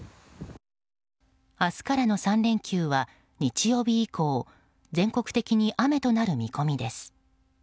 明日からの３連休は日曜日以降全国的に雨となる見込みです。